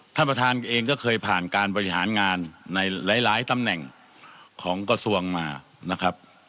ท่านประธานเองก็เคยผ่านการบริหารงานในหลายตำแหน่งของกระทรวงมานะครับ